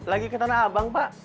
lagi ke tanah abang pak